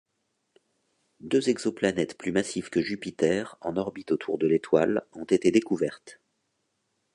Deux exoplanètes plus massives que Jupiter en orbite autour de l'étoile ont été découvertes.